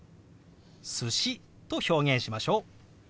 「寿司」と表現しましょう。